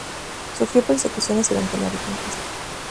Sufrió persecuciones durante la reconquista.